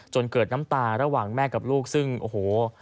จนเกิดน้ำตาระหว่างแม่กับลูกซึ่งโอ้โห